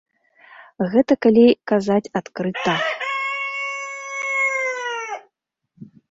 Гэта калі казаць адкрыта.